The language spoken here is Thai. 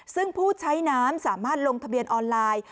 ซึ่งผู้ใช้น้ำสามารถลงทะเบียนออนไลน์